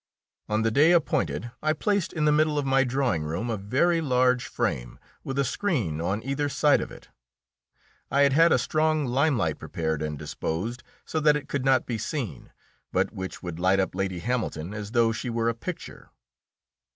On the day appointed I placed in the middle of my drawing room a very large frame, with a screen on either side of it. I had had a strong limelight prepared and disposed so that it could not be seen, but which would light up Lady Hamilton as though she were a picture.